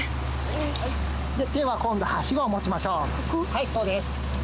はいそうです。